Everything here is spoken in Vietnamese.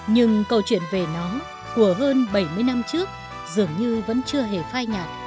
nhưng câu chuyện về nó của hơn bảy mươi năm trước dường như vẫn chưa hề phai nhạt